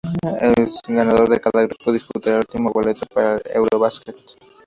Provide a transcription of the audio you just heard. El ganador de cada grupo disputará en último boleto para el Eurobasket.